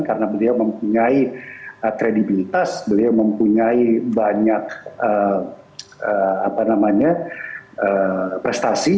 karena beliau mempunyai kredibilitas beliau mempunyai banyak prestasi